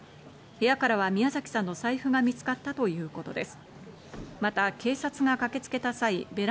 部屋からは宮崎さんの財布が見つかったということです。